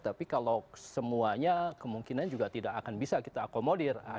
tapi kalau semuanya kemungkinan juga tidak akan bisa kita akomodir